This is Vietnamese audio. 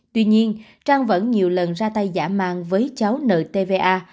tuy nhiên trang vẫn nhiều lần ra tay giả mang với cháu nợ tva